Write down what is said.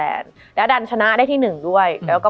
มันทำให้ชีวิตผู้มันไปไม่รอด